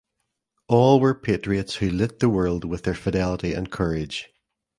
All were patriots who lit the world with their fidelity and courage.